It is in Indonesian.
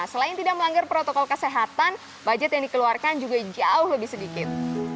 selain tidak melanggar protokol kesehatan budget yang dikeluarkan juga jauh lebih sedikit